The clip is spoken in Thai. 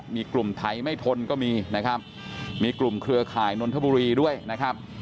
มีกลุ่มไทยไม่ทนก็มีนะครับมีกลุ่มเครือข่ายนนทบุรีด้วยนะครับ